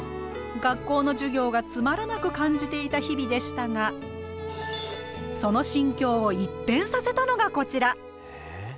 学校の授業がつまらなく感じていた日々でしたがその心境を一変させたのがこちら！